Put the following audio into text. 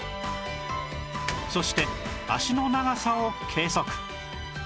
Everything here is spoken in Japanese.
そして脚の長さを計測